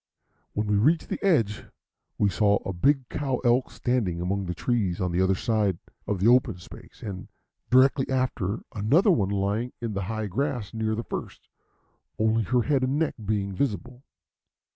When we reached the edge, we saw a big cow elk standing among the trees on the other side of the open space, and directly after, another one lying down in the high grass near the first, only her head and neck being visible.